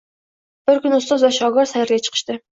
Bir kuni ustoz va shogird sayrga chiqishdi